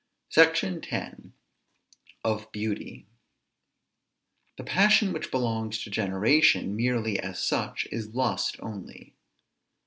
SECTION X. OF BEAUTY. The passion which belongs to generation, merely as such, is lust only.